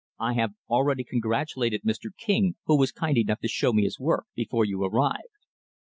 I have already congratulated Mr. King who was kind enough to show me his work before you arrived."